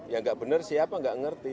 yang nggak benar siapa nggak ngerti